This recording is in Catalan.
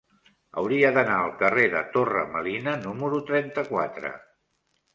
Hauria d'anar al carrer de Torre Melina número trenta-quatre.